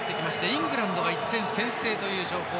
イングランドが１点先制という情報。